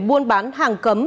buôn bán hàng cấm